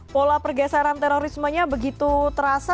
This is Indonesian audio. pola pergeseran terorismenya begitu terasa